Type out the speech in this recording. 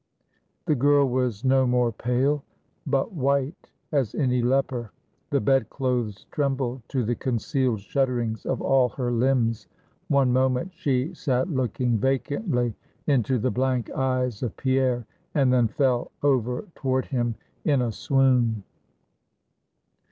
The girl was no more pale, but white as any leper; the bed clothes trembled to the concealed shudderings of all her limbs; one moment she sat looking vacantly into the blank eyes of Pierre, and then fell over toward him in a swoon.